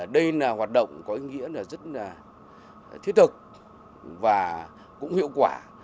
đây là hoạt động có ý nghĩa rất là thiết thực và cũng hiệu quả